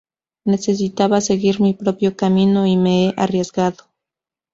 Necesitaba seguir mi propio camino y me he arriesgado.